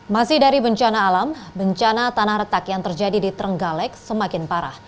masih dari bencana alam bencana tanah retak yang terjadi di trenggalek semakin parah